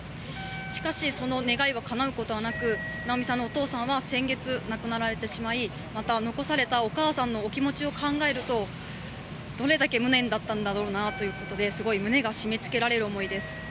しかしその願いはかなうことなく奈央美さんのお父さんは先月、亡くなられてしまいまた残されたお母さんのお気持ちを考えるとどれだけ無念だったんだろうなということで胸が締めつけられる思いです。